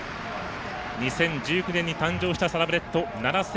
２０１９年に誕生したサラブレッド７５２２